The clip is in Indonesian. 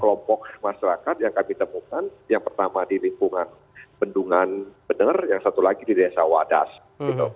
kelompok masyarakat yang kami temukan yang pertama di lingkungan bendungan bener yang satu lagi di desa wadas gitu